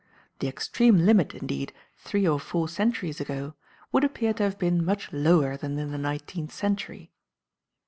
The extreme limit, indeed, three or four centuries ago, would appear to have been much lower than in the nineteenth century.